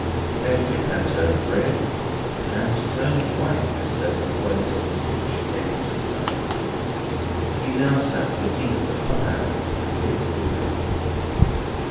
Edwin had turned red and turned white, as certain points of this picture came into the light. He now sat looking at the fire, and bit his lip.